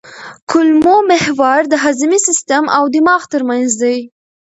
کولمو محور د هاضمي سیستم او دماغ ترمنځ دی.